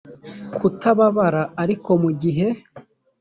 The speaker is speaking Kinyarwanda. kubatabara ariko mu gihe